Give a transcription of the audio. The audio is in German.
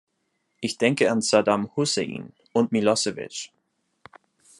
Ich denke an Saddam Hussein und Milosevic.